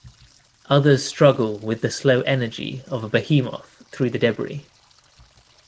Others struggle with the slow energy of a behemoth through the débris.